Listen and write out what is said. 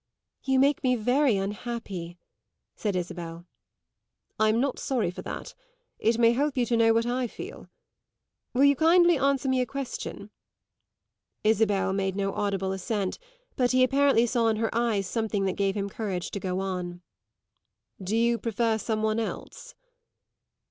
"You make me very unhappy," said Isabel. "I'm not sorry for that; it may help you to know how I feel. Will you kindly answer me a question?" Isabel made no audible assent, but he apparently saw in her eyes something that gave him courage to go on. "Do you prefer some one else?"